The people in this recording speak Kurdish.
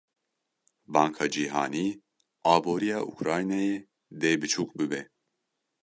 Banka Cîhanî; aboriya Ukraynayê dê biçûk bibe.